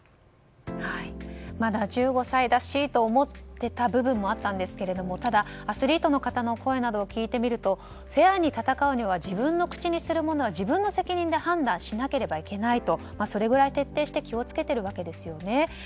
まだ１５歳だしと思ってた部分もあったんですけどもアスリートの方の声などを聞いてみると、フェアに戦うには自分の口にするものは自分の責任で判断しなければいけないとそれぐらい徹底して気を付けているわけですね。